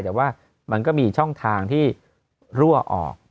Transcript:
แต่ว่ามันก็มีช่องทางที่รั่วออก